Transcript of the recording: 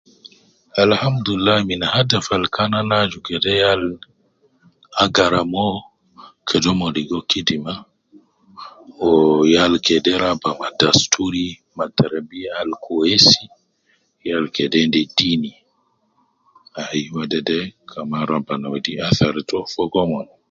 Alahamdulillah min hataf al kan ana aju kede yal agara moo, kede omon ligo kidima, wuu yal kede raba ma dasturi, ma terebiya al kwesi, yal kede endi deeni, ayi wedede kaman rabana wedi athar too fogo omon